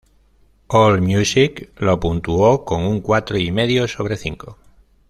Allmusic lo puntuó con un cuatro y medio sobre cinco.